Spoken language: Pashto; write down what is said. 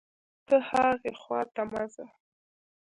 ته هاغې خوا ته مه ځه